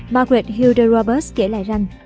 margaret hilde roberts kể lại rằng